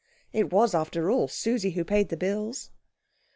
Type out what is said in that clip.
It was, after all, Susie who paid the bills.